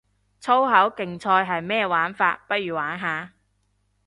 粗口競賽係咩玩法，不如玩下